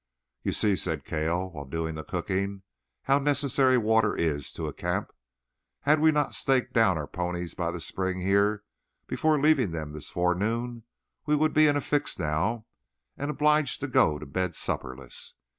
"You see," said Cale, while doing the cooking, "how necessary water is to a camp. Had we not staked down our ponies by the spring here before leaving them this forenoon we would be in a fix now and obliged to go to bed supperless.